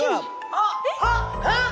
あっあっあっ！